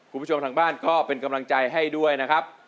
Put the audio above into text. คุณผู้ชมทางบ้านก็เป็นกำลังใจให้ด้วยนะครับ